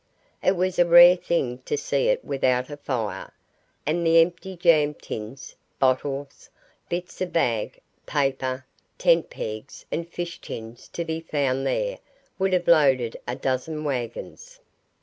It was a rare thing to see it without a fire; and the empty jam tins, bottles, bits of bag, paper, tent pegs, and fish tins to be found there would have loaded a dozen waggons.